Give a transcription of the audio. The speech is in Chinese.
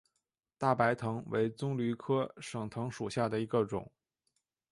大白藤为棕榈科省藤属下的一个种。